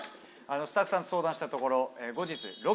スタッフさんと相談したところ。